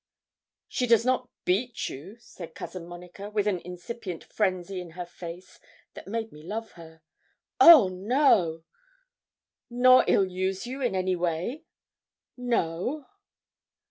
'She does not beat you?' said Cousin Monica, with an incipient frenzy in her face that made me love her. 'Oh no!' 'Nor ill use you in any way?' 'No.'